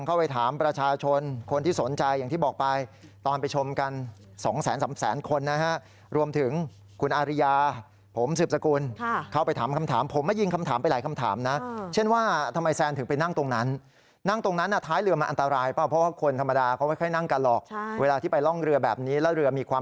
เข้าไปถามประชาชนคนที่สนใจอย่างที่บอกไปตอนไปชมกันสองแสนสามแสนคนนะฮะรวมถึงคุณอาริยาผมสืบสกุลเข้าไปถามคำถามผมมายิงคำถามไปหลายคำถามนะเช่นว่าทำไมแซนถึงไปนั่งตรงนั้นนั่งตรงนั้นท้ายเรือมันอันตรายเปล่าเพราะว่าคนธรรมดาเขาไม่ค่อยนั่งกันหรอกเวลาที่ไปร่องเรือแบบนี้แล้วเรือมีความ